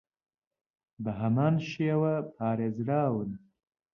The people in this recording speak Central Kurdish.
بەهەمان شێوە پارێزراون